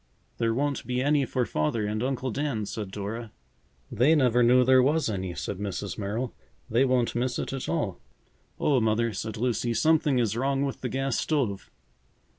"There won't be any for Father and Uncle Dan," said Dora. "They never knew there was any," said Mrs. Merrill. "They won't miss it at all." "Oh, Mother!" said Lucy, "something is wrong with the gas stove."